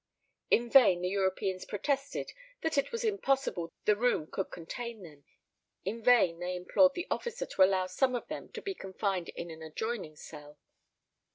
In vain the Europeans protested that it was impossible the room could contain them, in vain they implored the officer to allow some of them to be confined in an adjoining cell.